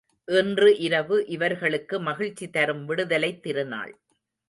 இன்று இரவு இவர்களுக்கு மகிழ்ச்சி தரும் விடுதலைத் திருநாள்.